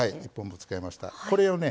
これをね